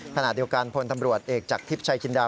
ขณะเดียวกันพลตำรวจเอกจากทิพย์ชัยจินดา